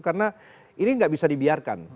karena ini gak bisa dibiarkan